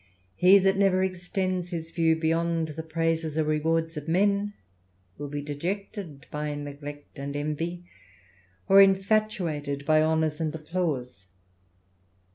He that never extends his view beyond the praises or rewards of men, will be dejected by neglect and envy, or infatuated by honours and applause.